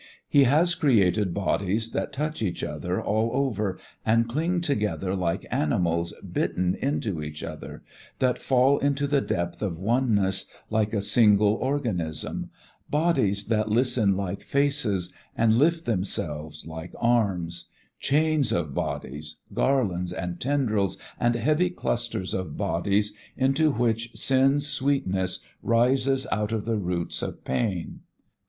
He nas created bodies that touch each other all over and cling together like animals bitten into each other, that fall into the depth of oneness like a single organism; bodies that listen like faces and lift themselves like arms; chains of bodies, garlands and tendrils and heavy clusters of bodies into which sin's sweetness rises out of the roots of pain.